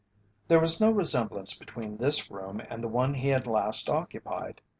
There was no resemblance between this room and the one he had last occupied.